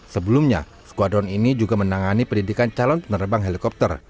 sebelumnya skuadron ini juga menangani pendidikan calon penerbang helikopter